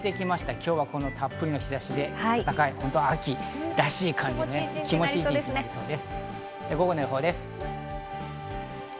今日はたっぷりの日差しで温かい秋らしい感じ、気持ち良い感じになりそうです。